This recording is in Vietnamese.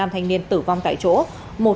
năm thanh niên tử vong tại chỗ